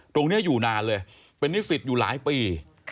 อยู่นานเลยเป็นนิสิตอยู่หลายปี